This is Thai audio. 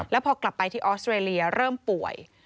แล้วพอกลับไปที่ออสเตรเลียเริ่มป่วย